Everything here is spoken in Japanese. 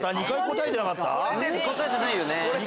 答えてないよね。